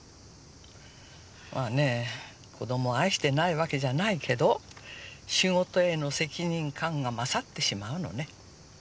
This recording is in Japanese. まあね子供を愛してないわけじゃないけど仕事への責任感が勝ってしまうのね。